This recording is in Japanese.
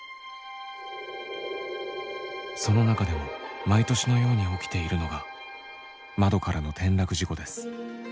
その中でも毎年のように起きているのが窓からの転落事故です。